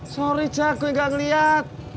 sorry jak gue gak ngeliat